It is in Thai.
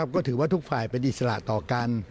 ก็ถือว่าทุกฝ่ายเป็นอิสระต่อกัน